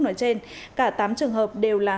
nói trên cả tám trường hợp đều là